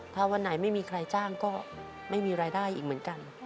ถ้าวันไหนไม่มีใครจ้างก็ไม่มีรายได้อีกเหมือนกัน